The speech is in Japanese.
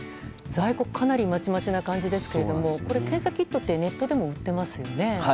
在庫かなりまちまちな感じですが検査キットってネットでも売ってますよね。